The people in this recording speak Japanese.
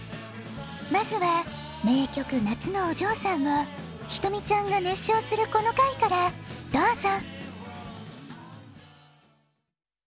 まずはめいきょく「夏のお嬢さん」をひとみちゃんがねっしょうするこのかいからどうぞ！